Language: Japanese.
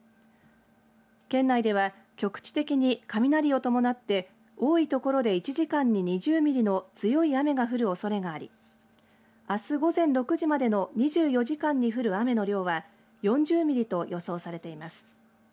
県内では局地的に雷を伴って多い所で１時間に２０ミリの強い雨が降るおそれがありあす午前６時までの２４時間に降る雨の量は４０ミリと予想されています。